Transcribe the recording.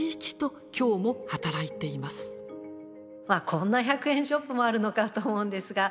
こんな１００円ショップもあるのかと思うんですが。